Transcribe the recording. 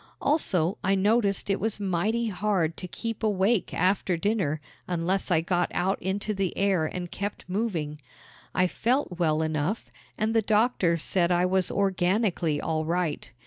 Also, I noticed it was mighty hard to keep awake after dinner unless I got out into the air and kept moving. I felt well enough and the doctors said I was organically all right.